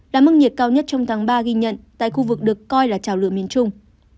đã mức nhiệt cao nhất trong tháng ba ghi nhận tại khu vực được coi là trào lửa miền trung